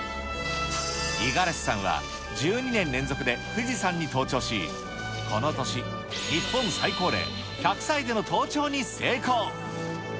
五十嵐さんは、１２年連続で富士山に登頂し、この年、日本最高齢１００歳での登頂に成功。